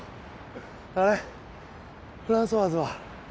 あれフランソワーズは？